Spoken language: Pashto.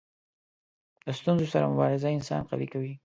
د ستونزو سره مبارزه انسان قوي کوي.